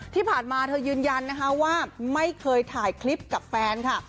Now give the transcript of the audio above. ที่ผ่านมาเธอยืนยันนะคะว่าไม่เคยถ่ายคลิปกับแฟนค่ะ